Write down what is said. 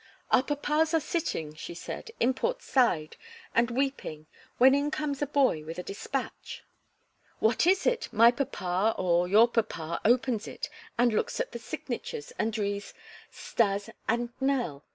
"Our papas are sitting," she said, "in Port Said and weeping, when in comes a boy with a despatch. What is it? My papa or your papa opens it and looks at the signatures and reads 'Stas and Nell.'